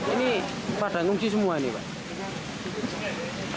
ini pada ngunci semua ini pak